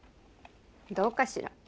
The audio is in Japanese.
どうかしら。